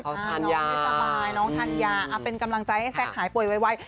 เขาทานยาน้องทานยาเป็นกำลังใจให้แซคหายป่วยไว